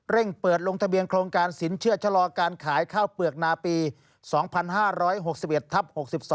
เปิดลงทะเบียนโครงการสินเชื่อชะลอการขายข้าวเปลือกนาปี๒๕๖๑ทับ๖๒